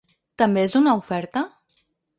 També es una oferta?